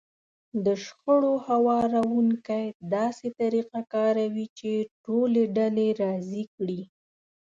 د شخړو هواروونکی داسې طريقه کاروي چې ټولې ډلې راضي کړي.